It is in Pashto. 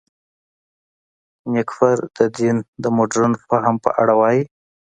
نېکفر د دین د مډرن فهم په اړه وايي.